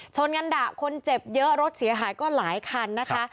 ชนกันดะคนเจ็บเยอะรถเสียหายก็หลายคันนะคะ